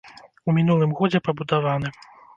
У мінулым годзе пабудаваны.